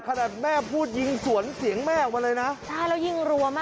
ขนาดแม่มาพูดยิงสวนเสียงแม่มาเลยนะ